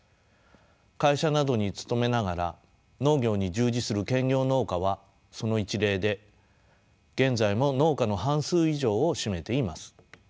会社などに勤めながら農業に従事する兼業農家はその一例で現在も農家の半数以上を占めています。